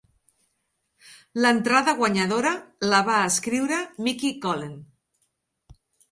L'entrada guanyadora la va escriure Micki Callen.